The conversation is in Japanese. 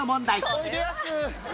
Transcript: おいでやす！